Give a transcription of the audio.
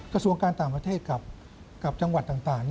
กระทรวงการต่างประเทศกับจังหวัดต่าง